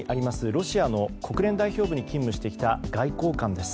ロシアの国連代表部に勤務してきた外交官です。